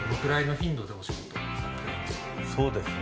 そうですね。